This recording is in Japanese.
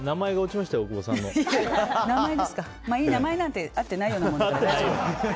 まあいい、名前なんてあってないようなものだから。